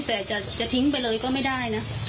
แต่จะทิ้งไปเลยก็ไม่ได้นะ